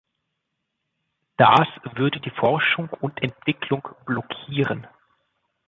Das würde die Forschung und Entwicklung blockieren.